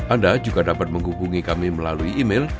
anda juga dapat menghubungi kami melalui email